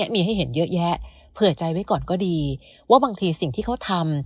มีให้เห็นเยอะแยะเผื่อใจไว้ก่อนก็ดีว่าบางทีสิ่งที่เขาทำ